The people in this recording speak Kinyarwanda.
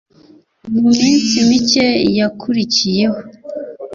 mu minsi mike yakurikiyeho